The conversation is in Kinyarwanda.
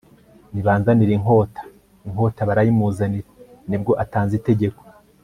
nibanzanire inkota. inkota barayimuzanira. ni bwo atanze itegeko